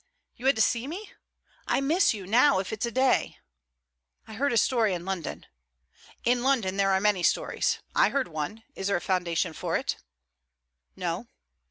'You had to see me?' 'I miss you now if it's a day!' 'I heard a story in London...' 'In London there are many stories. I heard one. Is there a foundation for it?' 'No.'